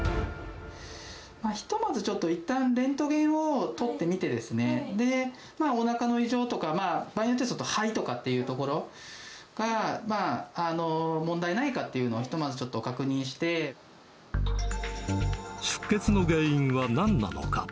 ひとまずちょっといったんレントゲンを撮ってみてですね、で、おなかの異常とか、場合によっては肺とかというところが、問題ないかっていうのを、出血の原因はなんなのか。